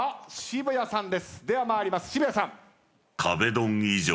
渋谷さん。